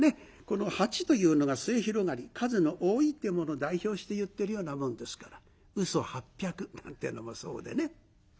この八というのが末広がり数の多いというものを代表していってるようなもんですから「嘘八百」なんてのもそうでね。